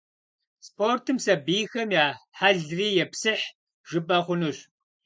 Спортым сабийхэм я хьэлри епсыхь жыпӀэ хъунущ.